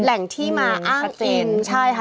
แหล่งที่มาอ้างอิงใช่ค่ะ